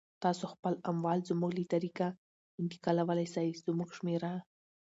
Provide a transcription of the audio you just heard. تاسو خپل اموال زموږ له طریقه انتقالولای سی، زموږ شمیره